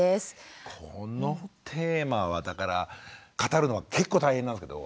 このテーマはだから語るのは結構大変なんですけど。